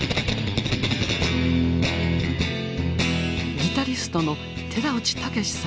ギタリストの寺内タケシさん。